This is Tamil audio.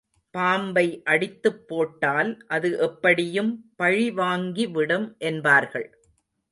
பாம்பை அடித்துப் போட்டால் அது எப்படியும் பழி வாங்கி விடும் என்பார்கள்.